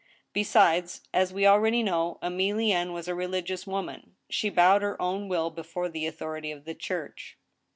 Besides, as we already know, Emilienne was a religious woman. She bowed her own will before the authority of the Church.